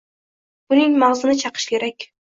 Buning mag‘zini chaqish kerak.